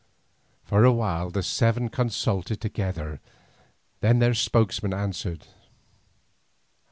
For a while the seven consulted together, then their spokesman answered.